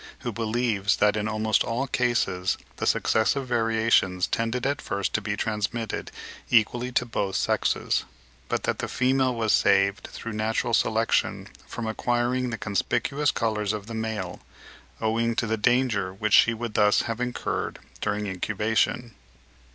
who believes that in almost all cases the successive variations tended at first to be transmitted equally to both sexes; but that the female was saved, through natural selection, from acquiring the conspicuous colours of the male, owing to the danger which she would thus have incurred during incubation.